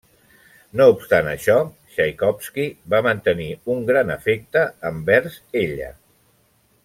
No obstant això, Txaikovski va mantenir un gran afecte envers ella.